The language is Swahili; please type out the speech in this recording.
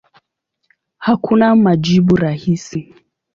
Hakuna majibu rahisi.